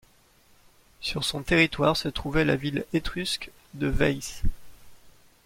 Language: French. Sur son territoire se trouvait la ville étrusque de Véies.